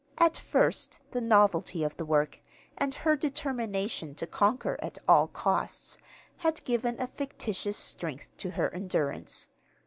At first the novelty of the work, and her determination to conquer at all costs, had given a fictitious strength to her endurance.